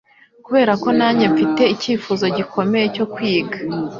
kubera ko nanjye mfite icyifuzo gikomeye cyo kwiga